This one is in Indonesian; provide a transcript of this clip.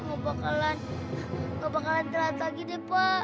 gak bakalan gak bakalan telat lagi deh pak